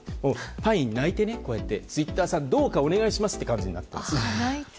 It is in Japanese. パインが泣いて、ツイッターさんどうかお願いしますという感じになっています。